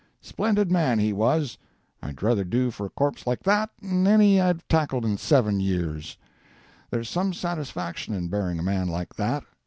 Splendid man, he was. I'd druther do for a corpse like that 'n any I've tackled in seven year. There's some satisfaction in buryin' a man like that.